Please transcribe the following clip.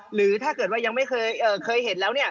หรือถ้าเกิดว่ายังไม่เคยเห็นแล้วเนี่ย